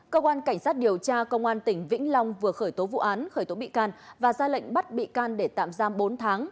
cơ quan cảnh sát điều tra công an tỉnh vĩnh long vừa khởi tố vụ án khởi tố bị can và ra lệnh bắt bị can để tạm giam bốn tháng